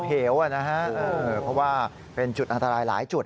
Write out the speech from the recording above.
เพราะว่าเป็นจุดอันตรายหลายจุด